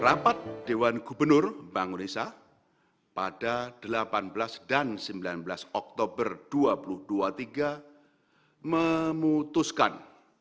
rapat dewan gubernur bank indonesia pada delapan belas dan sembilan belas oktober dua ribu dua puluh tiga memutuskan